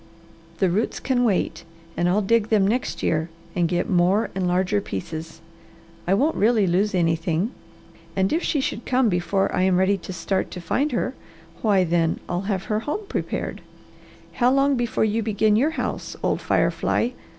"The roots can wait and I'll dig them next year and get more and larger pieces. I won't really lose anything, and if she should come before I am ready to start to find her, why then I'll have her home prepared. How long before you begin your house, old fire fly?"